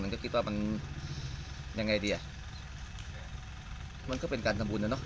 ก็คิดว่ามันยังไงดีอ่ะมันก็เป็นการทำบุญนะเนอ